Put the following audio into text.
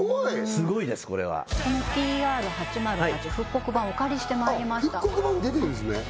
すごいですこれはそのＴＲ−８０８復刻版をお借りしてまいりました復刻版出てるんですね